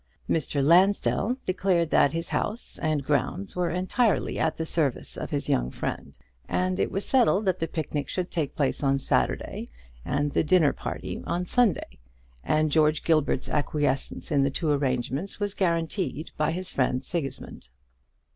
Mr. Lansdell declared that his house and grounds were entirely at the service of his young friend; and it was settled that the picnic should take place on Saturday, and the dinner party on Sunday; and George Gilbert's acquiescence in the two arrangements was guaranteed by his friend Sigismund.